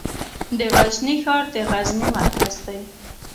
د غزني ښار د غزني مرکز دی